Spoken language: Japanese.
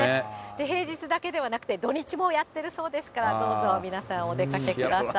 平日だけではなくて、土日もやってるそうですから、どうぞ皆さん、お出かけください。